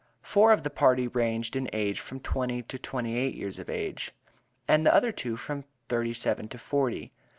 Four of the party ranged in age from twenty to twenty eight years of age, and the other two from thirty seven to forty.